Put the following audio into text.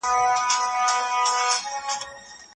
زه آرام یم.